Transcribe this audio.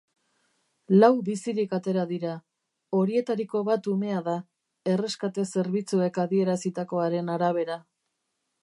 Lau bizirik atera dira, horietariko bat umea da, erreskate-zerbitzuek adierazitakoaren arabera.